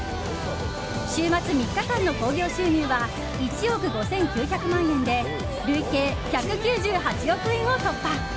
週末３日間の興行収入は１億５９００万円で累計１９８億円を突破。